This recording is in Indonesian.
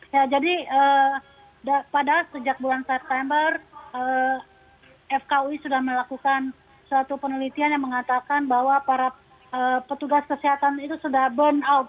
ya jadi padahal sejak bulan september fkui sudah melakukan suatu penelitian yang mengatakan bahwa para petugas kesehatan itu sudah burnout